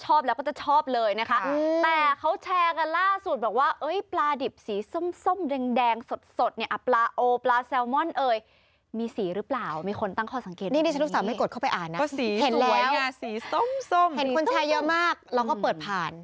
เห็นคนใช้เยอะมากแล้วก็เปิดผ่าน